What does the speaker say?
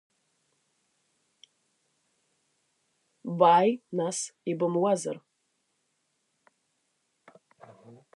Бааи, нас, ибымуазар!